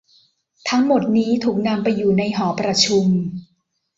ทั้งหมดนี้ถูกนำไปอยู่ในหอประชุม